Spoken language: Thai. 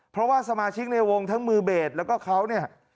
เพราะว่าสมาชิกในวงทั้งมือเบสแล้วก็เขาเนี่ย